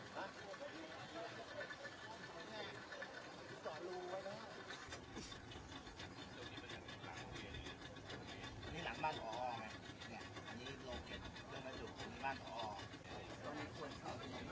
ข้ามห่วงใหญ่นะครับว่าเป็นประโยชน์กับบริษัทครับ